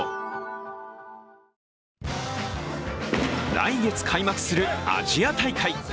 来月開幕するアジア大会。